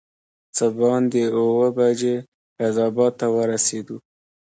څه باندې اووه بجې فیض اباد ته ورسېدو.